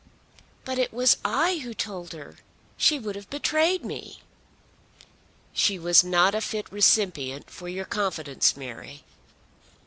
"But it was I who told her. She would have betrayed me." "She was not a fit recipient for your confidence, Mary.